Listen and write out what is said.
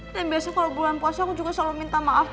dan biasa kalau bulan puasa aku juga selalu minta maaf